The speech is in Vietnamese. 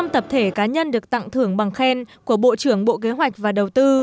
năm tập thể cá nhân được tặng thưởng bằng khen của bộ trưởng bộ kế hoạch và đầu tư